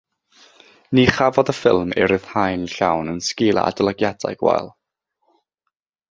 Ni chafodd y ffilm ei rhyddhau'n llawn yn sgil adolygiadau gwael.